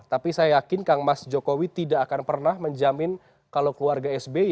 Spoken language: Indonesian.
tapi saya yakin kang mas jokowi tidak akan pernah menjamin kalau keluarga sby